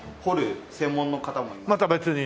また別に？